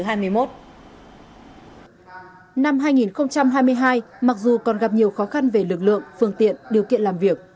năm hai nghìn hai mươi hai mặc dù còn gặp nhiều khó khăn về lực lượng phương tiện điều kiện làm việc